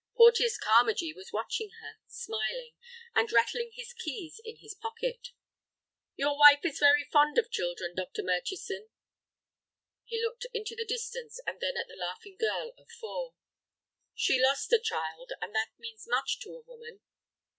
Porteus Carmagee was watching her, smiling, and rattling his keys in his pocket. "Your wife is very fond of children, Dr. Murchison." He looked into the distance, and then at the laughing girl of four. "She lost a child, and that means much to a woman."